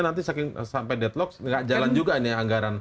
nanti saking sampai deadlock nggak jalan juga ini anggaran